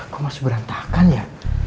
kok masih berantakan ya